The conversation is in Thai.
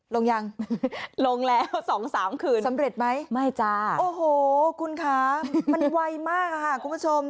ลงยังลงแล้วสองสามคืนสำเร็จไหมไม่จ้าโอ้โหคุณคะมันไวมากค่ะคุณผู้ชม